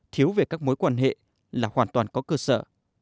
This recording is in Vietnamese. thiếu về các mối quan hệ là hoàn toàn có cơ sở